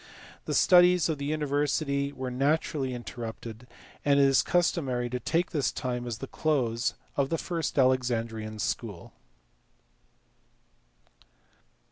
The studies of the university were naturally interrupted, and it is customary to take this time as the close of the first Alexandrian school.